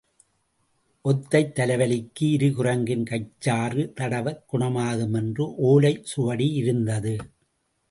ஒத்தைத் தலைவலிக்கு இரு குரங்கின் கைச்சாறு தடவக் குணமாகும் என்று ஒலைச் சுவடியிலிருந்தது.